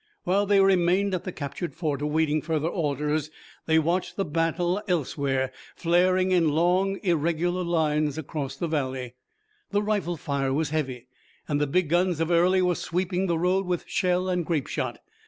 While they remained at the captured fort, awaiting further orders, they watched the battle elsewhere, flaring in a long irregular line across the valley. The rifle fire was heavy and the big guns of Early were sweeping the roads with shell and grapeshot.